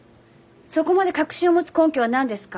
そこまで確信を持つ根拠は何ですか？